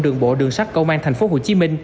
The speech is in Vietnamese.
đường bộ đường sắt công an tp hcm